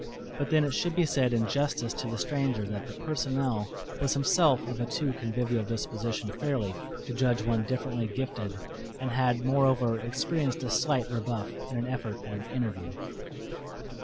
But then it should be said in justice to the stranger that the personnel was himself of a too convivial disposition fairly to judge one differently gifted, and had, moreover, experienced a slight rebuff in an effort at an "interview."